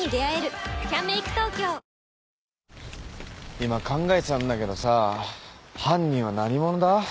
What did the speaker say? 今考えてたんだけどさぁ犯人は何者だ？